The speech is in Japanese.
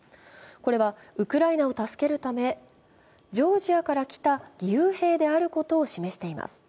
これはウクライナを助けるため、ジョージアから来た義勇兵であることを示しています。